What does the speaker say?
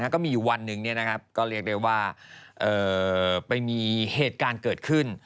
ก็มีวันหนึ่งเนี่ยนะครับก็เรียกได้ว่าไปมีเหตุการณ์เกิดขึ้น